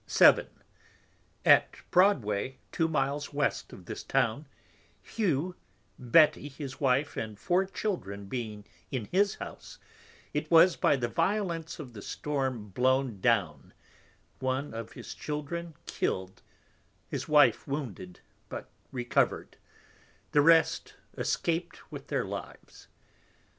7. At Broadway, two Miles West of this Town, Hugh Betty, his Wife, and four Children being in his House, it was by the violence of the Storm blown down, one of his Children killed, his Wife wounded, but recovered, the rest escaped with their Lives.